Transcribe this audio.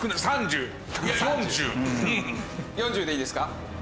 ４０でいいですか？